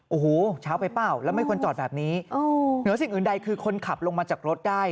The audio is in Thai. โอ้โหเช้าไปเปล่าแล้วไม่ควรจอดแบบนี้เหนือสิ่งอื่นใดคือคนขับลงมาจากรถได้